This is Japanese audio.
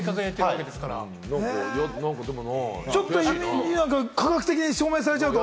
ちょっと科学的に証明されちゃうと。